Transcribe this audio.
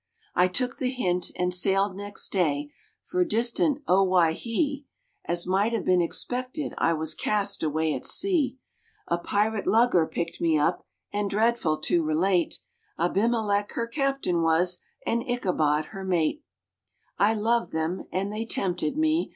I took the hint, and sailed next day for distant Owhyhee, As might have been expected, I was cast away at sea. A Pirate Lugger picked me up, and dreadful to relate Abimelech her captain was, and Ichabod her mate. I loved them and they tempted me.